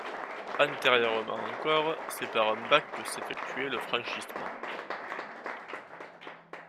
Antérieurement encore, c'est par un bac que s'effectuait le franchissement.